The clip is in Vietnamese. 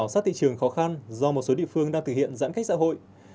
sát thị trường khó khăn do một số địa phương đang thực hiện giãn cách xã hội